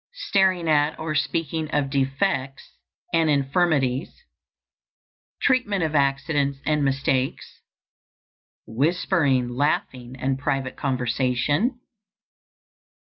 _ Staring at or speaking of defects and infirmities. Treatment of accidents and mistakes. _Whispering, laughing, and private conversation.